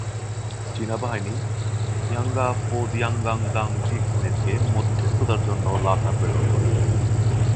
চীনা বাহিনী ঙ্গা-ফোদ-ঙ্গাগ-দ্বাং-'জিগ্স-'মেদকে মধ্যস্থতার জন্য লাসা প্রেরণ করে।